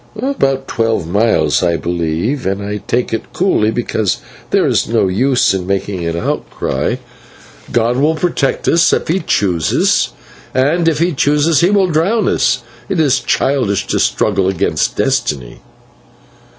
"About twelve miles, I believe, and I take it coolly because there is no use in making an outcry. God will protect us if He chooses, and if He chooses He will drown us. It is childish to struggle against destiny."